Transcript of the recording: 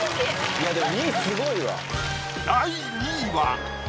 いやでも２位すごいわ。